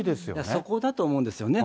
そこだと思うんですよね。